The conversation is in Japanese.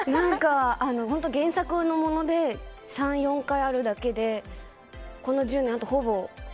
本当、原作もので３４回あるだけでこの１０年、あとはほぼ。